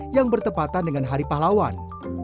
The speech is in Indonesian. yang bertepatan dengan hari pahlawan